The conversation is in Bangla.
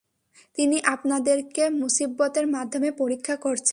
তিনি আপনাদেরকে মুসীবতের মাধ্যমে পরীক্ষা করছেন।